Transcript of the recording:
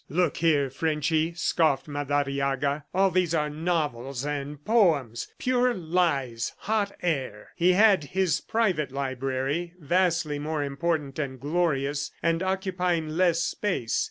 "Look here, Frenchy," scoffed Madariaga. "All these are novels and poems! Pure lies! ... Hot air!" He had his private library, vastly more important and glorious, and occupying less space.